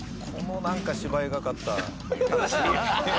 このなんか芝居がかった。